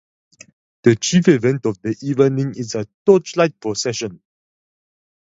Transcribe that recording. The chief event of the evening is a torchlight procession.